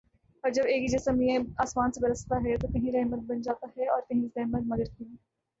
اور جب ایک ہی جیسا مینہ آسماں سے برستا ہے تو کہیں رحمت بن جاتا ہے اور کہیں زحمت مگر کیوں